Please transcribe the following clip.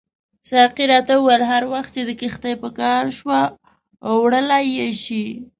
ساقي راته وویل هر وخت چې دې کښتۍ په کار شوه وړلای یې شې.